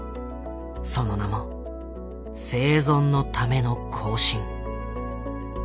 その名も「生存のための行進」。